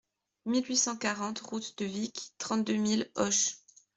mille huit cent quarante route de Vic, trente-deux mille Auch